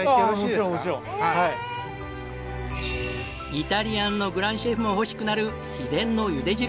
イタリアンのグランシェフも欲しくなるあ